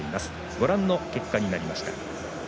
ご覧の結果になりました。